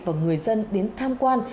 và người dân đến tham quan